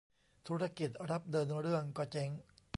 ธุรกิจรับเดินเรื่องก็เจ๊ง